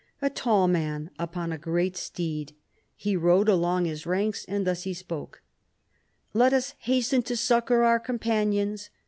"A tall man upon a great steed " he rode along his ranks, and thus he spoke :" Let us hasten to succour our companions.